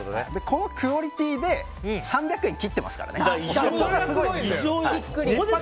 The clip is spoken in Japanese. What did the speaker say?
このクオリティーで３００円を切ってますからね。